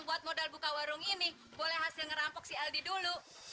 kamu jangan nakal